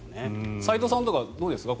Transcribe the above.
斎藤さんとかどうですか？